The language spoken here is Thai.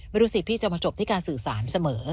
ไม่รู้สิพี่จะมาจบที่การสื่อสารเสมอ